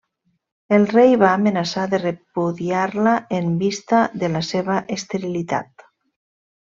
El rei va amenaçar de repudiar-la en vista de la seva esterilitat.